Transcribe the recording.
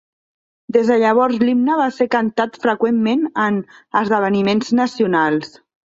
Des de llavors l'himne va ser cantat freqüentment en esdeveniments nacionals.